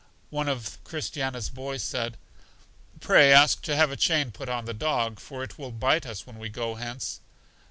One of Christiana's boys said: Pray ask to have a chain put on the dog, for it will bite us when we go hence.